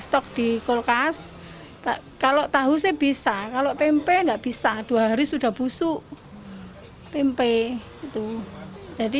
stok di kulkas kalau tahu sih bisa kalau tempe enggak bisa dua hari sudah busuk tempe itu jadi